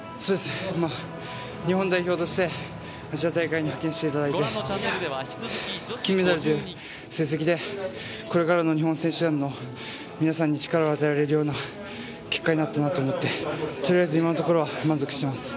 日本代表としてアジア大会に派遣していただいて、金メダルという成績で、これからの日本選手団の皆さんに力を与えられるような結果になったなと思ってとりあえず今のところは満足しています。